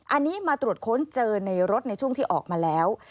อันนี้มาตรวจค้นเจอในรถในช่วงที่ออกมาแล้ว